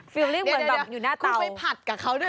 ฟิลิกเหมือนอยู่หน้าเตาโอ้โฮเดี๋ยวคุณไปผัดกับเขาด้วย